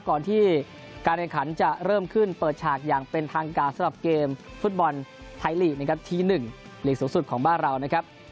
ก่อนที่การเนื้อขันจะเริ่มขึ้นเปิดฉากอย่างเป็นทางการสำหรับเกมฟุตบอลไทยฤทธิ์๑ฤทธิ์สุดของบ้านเรานะครับ